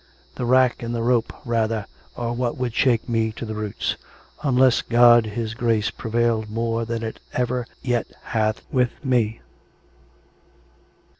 The rack and the rope, rather, are what would shake me to the roots, unless God His Grace prevailed more than it ever yet hath with me."